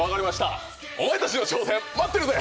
お前たちの挑戦待ってるぜ！